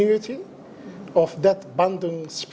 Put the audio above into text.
dari alam bandung itu